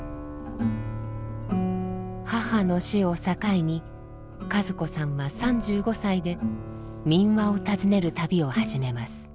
母の死を境に和子さんは３５歳で民話を訪ねる旅を始めます。